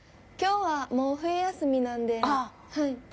今日はもう冬休みなんではい。